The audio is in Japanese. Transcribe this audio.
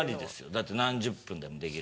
だって何十分でもできるじゃん。